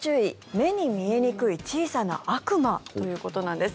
目に見えにくい小さな悪魔ということなんです。